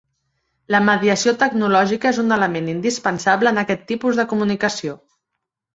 La mediació tecnològica és un element indispensable en aquest tipus de comunicació.